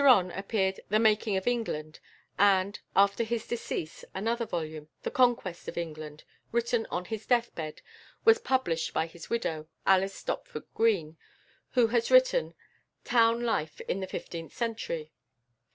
Later on appeared "The Making of England," and, after his decease, another volume, "The Conquest of England," written on his deathbed, was published by his widow, Alice Stopford Green, who has written "Town Life in the Fifteenth Century."